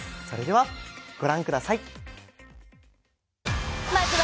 それでは御覧ください。